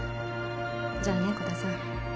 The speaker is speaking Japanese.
じゃあね鼓田さん。